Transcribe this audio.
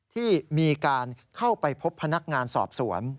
ที่มีการเข้าไปพบพนักงานสอบสวน